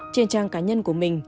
trên trang cá nhân của mình